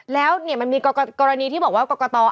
แล้วเนี่ยมันมีกรณีที่บอกว่ากกกะตอร์